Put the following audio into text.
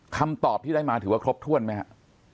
คำตอบที่ได้มาถือว่าครบถ้วนไหมครับ